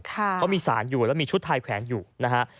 เขามีสารอยู่แล้วมีชุดไทยแขวนอยู่นะฮะ